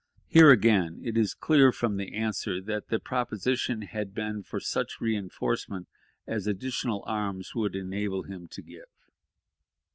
Here, again, it is clear from the answer that the proposition had been for such reënforcement as additional arms would enable him to give.